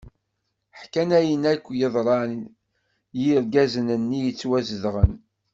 Ḥkan ayen akk yeḍran d yergazen-nni yettwazedɣen.